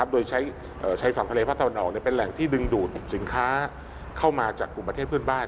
โดยใช้ฝั่งทะเลภาคตะวันออกเป็นแหล่งที่ดึงดูดสินค้าเข้ามาจากกลุ่มประเทศเพื่อนบ้าน